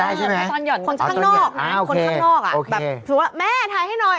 ตอนห่อนคนข้างนอกนะคนข้างนอกอ่ะแบบถือว่าแม่ถ่ายให้หน่อย